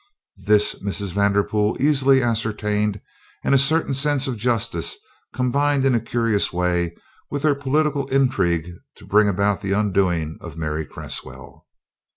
This Mrs. Vanderpool easily ascertained and a certain sense of justice combined in a curious way with her political intrigue to bring about the undoing of Mary Cresswell.